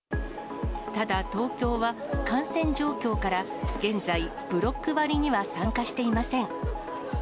ただ、東京は感染状況から、現在、ブロック割には参加していません。